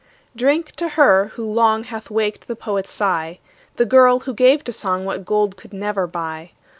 Drink to her, who long, Hath waked the poet's sigh. The girl, who gave to song What gold could never buy.